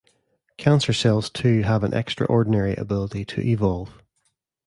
Cancer cells too have an extraordinary ability to evolve.